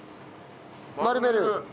丸める。